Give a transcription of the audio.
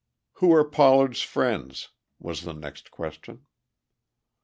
"Who are Pollard's friends?" was the next question.